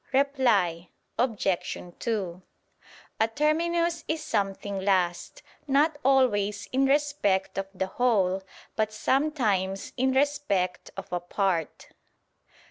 Reply Obj. 2: A terminus is something last, not always in respect of the whole, but sometimes in respect of a part.